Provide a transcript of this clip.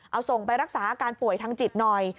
เอาส่งไปรักษาอาการป่วยทางจิตหน่อย